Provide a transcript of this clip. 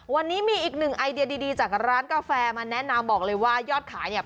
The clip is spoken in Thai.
วันนี้มีอีกหนึ่งไอเดียดีจากร้านกาแฟมาแนะนำบอกเลยว่ายอดขายเนี่ย